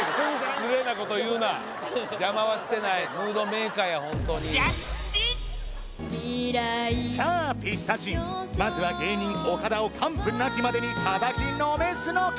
失礼なこと言うな邪魔はしてないムードメーカーやホントにさあピッタ神まずは芸人・岡田を完膚なきまでに叩きのめすのか？